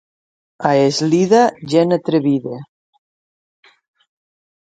A Eslida, gent atrevida.